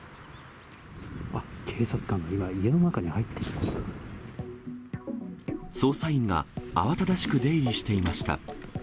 あっ、警察官が今、捜査員が慌ただしく出入りしていました。